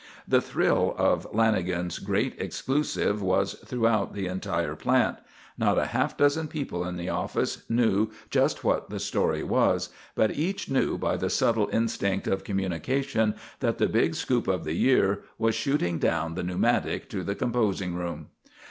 The thrill of Lanagan's great exclusive was throughout the entire plant. Not a half dozen people in the office knew just what the story was, but each knew by the subtle instinct of communication that the big scoop of the year was shooting down the pneumatic to the composing room.